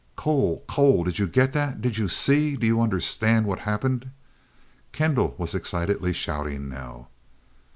"Cole Cole did you get that? Did you see do you understand what happened?" Kendall was excitedly shouting now.